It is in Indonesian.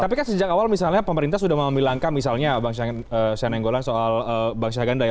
tapi kan sejak awal misalnya pemerintah sudah memilangkan misalnya bang sya nenggolan soal bang sya ganda ya